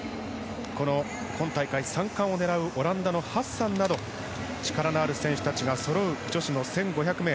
今大会３冠を狙うオランダのハッサンなど力のある選手たちがそろう女子の１５００ｍ。